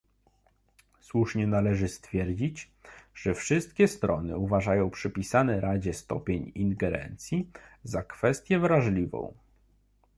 Słusznie należy stwierdzić, że wszystkie strony uważają przypisany Radzie stopień ingerencji za kwestię wrażliwą